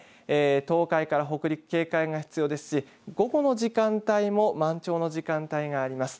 東海から北陸警戒が必要ですし午後の時間帯も満潮の時間帯があります。